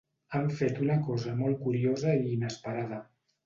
Han fet una cosa molt curiosa i inesperada.